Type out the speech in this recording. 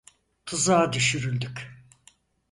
Tuzağa düşürüldük.